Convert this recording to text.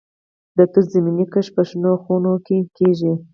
د توت زمینی کښت په شنو خونو کې کیږي.